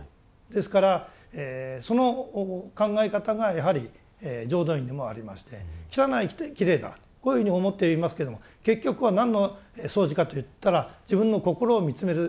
ですからその考え方がやはり浄土院にもありまして汚いきれいだこういうふうに思っていますけども結局は何の掃除かといったら自分の心を見つめる修行なんですね。